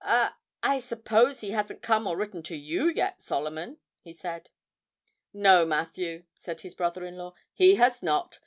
'I I suppose he hasn't come or written to you yet, Solomon?' he said. 'No, Matthew,' said his brother in law, 'he has not.